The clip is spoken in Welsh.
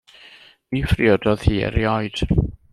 Ni phriododd hi erioed.